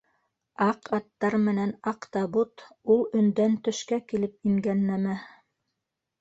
-Аҡ аттар менән аҡ табут ул өндән төшкә килеп ингән нәмә.